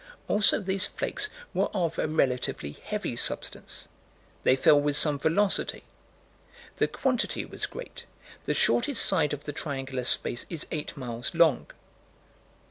Also these flakes were of a relatively heavy substance "they fell with some velocity." The quantity was great the shortest side of the triangular space is eight miles long.